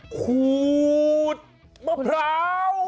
ขูดมะพร้าว